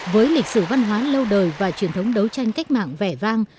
với lịch sử văn hóa lâu đời và truyền thống đấu tranh cách mạng vẻ vang